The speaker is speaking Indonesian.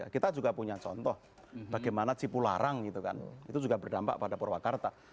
kita juga punya contoh bagaimana cipu larang itu kan itu juga berdampak pada purwakarta